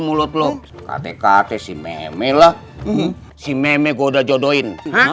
mulut lo kate kate si meme lah si meme goda jodoin